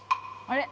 あれ？